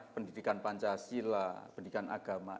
pendidikan pancasila pendidikan agama